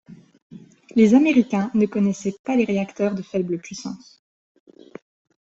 Les Américains ne connaissaient pas les réacteurs de faible puissance.